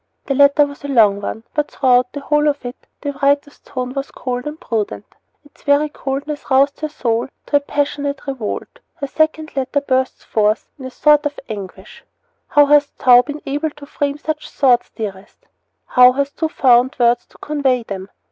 The letter was a long one, but throughout the whole of it the writer's tone was cold and prudent. Its very coldness roused her soul to a passionate revolt. Her second letter bursts forth in a sort of anguish: How hast thou been able to frame such thoughts, dearest? How hast thou found words to convey them?